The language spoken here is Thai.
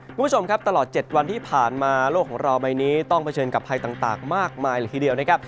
คุณผู้ชมครับตลอด๗วันที่ผ่านมาโลกของเราใบนี้ต้องเผชิญกับภัยต่างมากมายเลยทีเดียวนะครับ